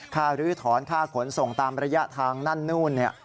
หรือถอนค่าขนส่งตามระยะทางนั่นนู่น